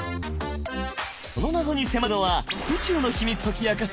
その謎に迫るのは宇宙の秘密を解き明かす